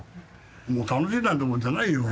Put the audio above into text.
もう楽しいなんてもんじゃないよ。